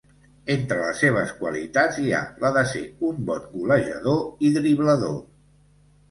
Entre les seves qualitats hi ha la de ser un bon golejador i driblador.